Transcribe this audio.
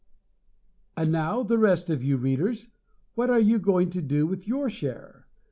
And now, the rest of you Readers, what are you going to do with your share?